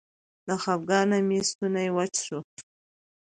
له خپګانه مې ستونی وچ شو.